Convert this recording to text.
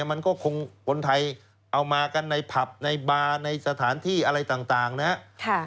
มันก็คงคนไทยเอามากันในผับในบาร์ในสถานที่อะไรต่างนะครับ